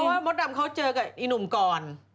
เพราะว่ามดดำเขาเจอกับอีหนุ่มก่อน